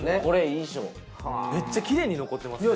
めっちゃきれいに残ってますね。